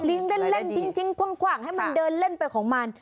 เล่นทิ้งคว่างให้มันเดินเล่นไปของมัน